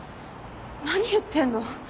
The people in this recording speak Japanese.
何言ってんの？